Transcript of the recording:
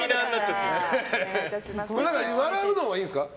笑うのはいいですか？